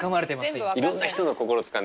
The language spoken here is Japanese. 今。